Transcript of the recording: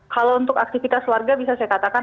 kalau untuk aktivitas warga bisa saya katakan